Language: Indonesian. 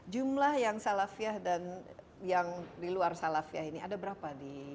jumlah yang salafiyah dan yang di luar salafiyah ini ada berapa